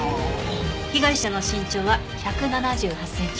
被害者の身長は１７８センチ。